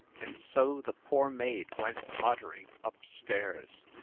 And so the poor maid went muttering up stairs.